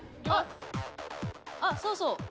あっそうそう。